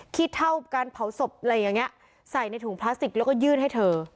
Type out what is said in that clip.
ขี้เท่าการเผาศพอะไรอย่างนี้ใส่ในถุงพลาสติกแล้วก็ยื่นให้เธอ